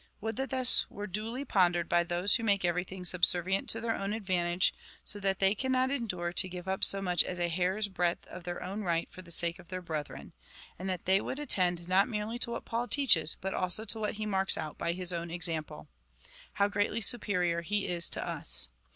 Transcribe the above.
Would that this were duly pondered by those who make everything subservient to their own advantage, so that they cannot en dure to give up so much as a hair's breadth of their own right for the sake of their brethren ; and that they would attend not merely to what Paul teaches, but also to Avhat he marks out by his own examj)le ! How greatly superior he is to us